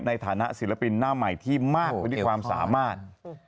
ในฐานะศิลปินหน้าใหม่ที่มากกว่าที่ความสามารถ